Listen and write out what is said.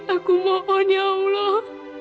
aku mohon ya allah